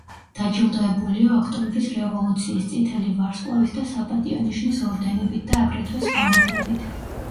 დაჯილდოებულია ოქტომბრის რევოლუციის, წითელი ვარსკვლავის და საპატიო ნიშნის ორდენებით და აგრეთვე სხვა მედლებით.